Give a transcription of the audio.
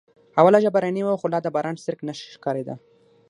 هوا لږه باراني وه خو لا د باران څرک نه ښکارېده.